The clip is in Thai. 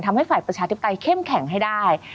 ทำให้ฝ่ายประชาธิปไตยเข้มแข็งให้ได้